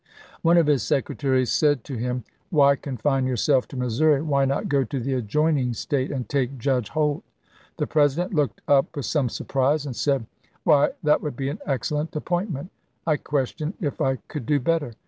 One of his secretaries said to him, "Why confine yourself to Missouri ! Why not go to the adjoining State and take Judge Holt?" The President looked up with some surprise, and said :" Why, that would be an excellent appoint ment. I question if I could do better.